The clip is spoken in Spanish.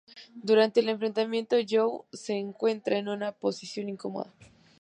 Durante el enfrentamiento, Joe se encuentra en una posición incómoda.